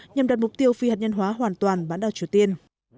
nhằm đạt mục tiêu phi hạt nhân hóa hoàn toàn bán đảo triều tiên